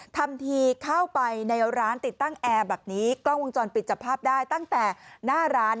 ทำทีเข้าไปในร้านติดตั้งแอร์แบบนี้กล้องวงจรปิดจับภาพได้ตั้งแต่หน้าร้าน